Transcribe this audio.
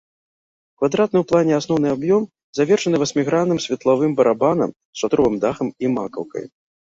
Квадратны ў плане асноўны аб'ём завершаны васьмігранным светлавым барабанам з шатровым дахам і макаўкай.